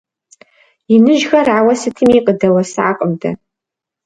Иныжьхэр ауэ сытми къыдэуэсакъым дэ.